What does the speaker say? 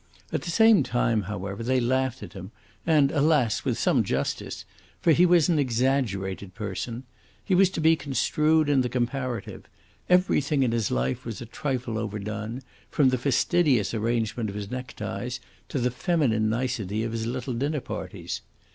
At the same time, however, they laughed at him and, alas with some justice; for he was an exaggerated person. He was to be construed in the comparative. Everything in his life was a trifle overdone, from the fastidious arrangement of his neckties to the feminine nicety of his little dinner parties.